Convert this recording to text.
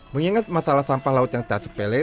mengingat masalah sampah laut yang tak sepele